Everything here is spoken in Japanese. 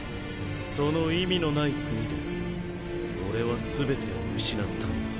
その意味のない国で俺は全てを失ったんだ。